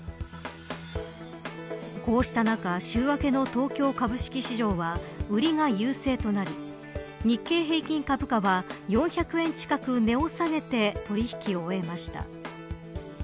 こうした中週明けの東京株式市場は売りが優勢となり日経平均株価は４００円近く値を下げて取引を終えました。